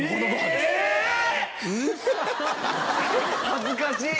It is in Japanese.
恥ずかしい！